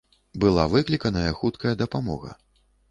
Была выкліканая хуткая дапамога.